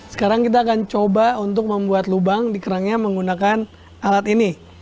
sekarang kita akan coba untuk membuat lubang di kerangnya menggunakan alat ini